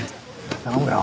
頼むよ。